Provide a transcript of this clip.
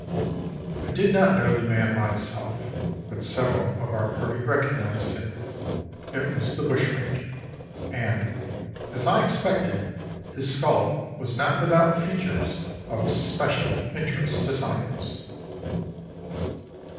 "I did not know the man myself, but several of our party recognised him. It was the bushranger, and, as I expected, his skull was not without features of special interest to science."